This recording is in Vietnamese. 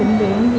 xong diện vô